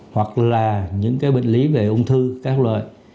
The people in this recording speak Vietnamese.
hoặc là những bệnh lý về ung thư các loại